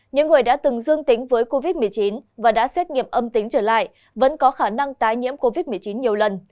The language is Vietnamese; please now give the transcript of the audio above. những người đã từng dương tính với covid một mươi chín và đã xét nghiệm âm tính trở lại vẫn có khả năng tái nhiễm covid một mươi chín nhiều lần